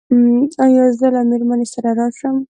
ایا زه له میرمنې سره راشم؟